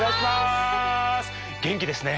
元気ですね。